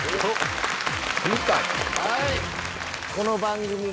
はい。